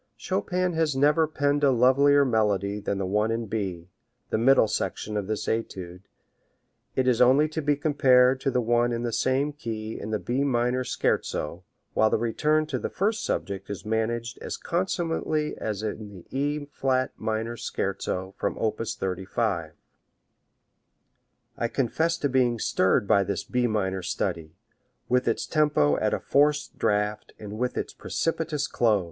Chopin has never penned a lovelier melody than the one in B the middle section of this etude it is only to be compared to the one in the same key in the B minor Scherzo, while the return to the first subject is managed as consummately as in the E flat minor Scherzo, from op. 35. I confess to being stirred by this B minor study, with its tempo at a forced draught and with its precipitous close.